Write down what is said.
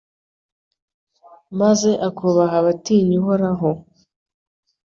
maze akubaha abatinya Uhoraho